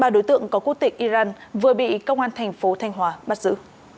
ba đối tượng có quốc tịch iran vừa bị công an thành phố thanh hóa bắt giữ